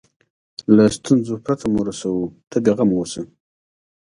له ستونزو پرته مو رسوو ته بیغمه اوسه.